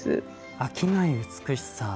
飽きない美しさ。